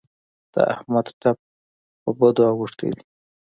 د احمد ټپ په بدو اوښتی دی.